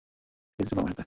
ঠিক আছে, চলো আমার সাথে!